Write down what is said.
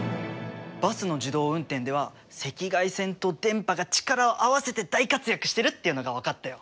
バスの自動運転では赤外線と電波が力を合わせて大活躍してるっていうのが分かったよ！